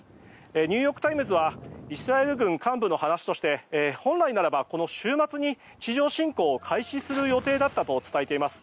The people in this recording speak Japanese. ニューヨーク・タイムズはイスラエル軍幹部の話として本来ならばこの週末に地上侵攻を開始する予定だったと伝えています。